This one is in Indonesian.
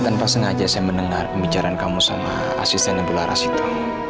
tadi tanpa sengaja saya mendengar pembicaraan kamu sama asisten ibu lara sito